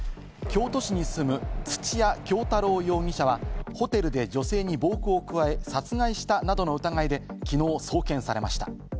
京都市に住む土屋京多郎容疑者は、ホテルで女性に暴行を加え殺害したなどの疑いで、きのう送検されました。